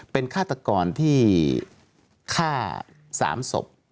เป็นฆาตกรที่ฆ่า๓ศพ